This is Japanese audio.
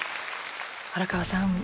荒川さん